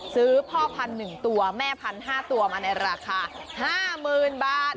ซื้อพ่อพันธุ์๑ตัวแม่พันธุ์๕ตัวมาในราคา๕๐๐๐บาท